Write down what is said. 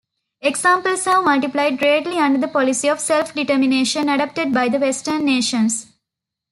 Examples have multiplied greatly under the policy of self-determination adopted by the western nations.